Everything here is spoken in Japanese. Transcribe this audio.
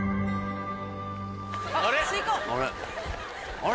あれ？